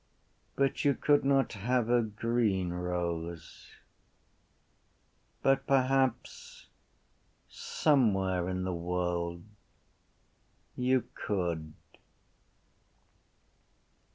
But you could not have a green rose. But perhaps somewhere in the world you could.